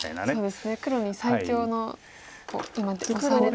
黒に最強の今オサれて。